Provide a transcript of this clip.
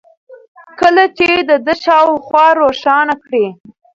كله چي د ده شا و خوا روښانه كړي